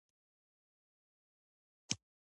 موږ باید د یو دردمند انسان اوښکې وچې کړو.